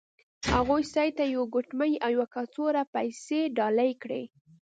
هغوی سید ته یوه ګوتمۍ او یوه کڅوړه پیسې ډالۍ کړې.